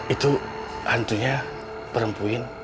itu hantunya perempuin